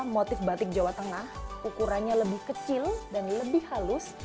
motif batik jawa tengah ukurannya lebih kecil dan lebih halus